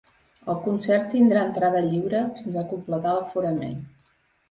El concert tindrà entrada lliure fins a completar l’aforament.